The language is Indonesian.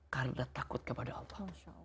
karena takut kepada allah